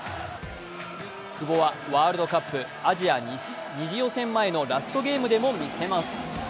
久保はワールドカップ・アジア２次予選ラストゲームでも見せます。